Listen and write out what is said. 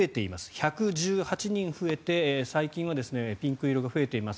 １１８人増えて最近はピンク色が増えています。